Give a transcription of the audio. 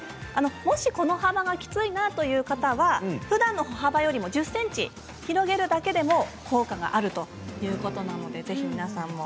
もしこの幅がきついなという方はふだんの歩幅よりも１０ｃｍ広げるだけでも効果があるということなのでぜひ皆さんも。